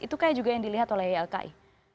itu kayak juga yang dilihat oleh ylki